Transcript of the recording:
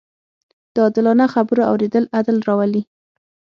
د عادلانه خبرو اورېدل عدل راولي